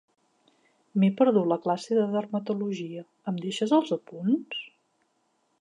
M'he perdut la classe de dermatologia, em deixes els apunts?